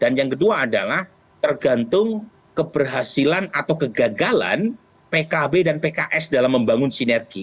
dan yang kedua adalah tergantung keberhasilan atau kegagalan pkb dan pks dalam membangun sinergi